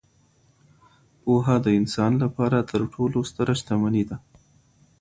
پوهه د انسان لپاره تر ټولو ستره شتمني ده.